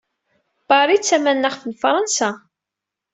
Paris d tamaneɣt n Fṛansa.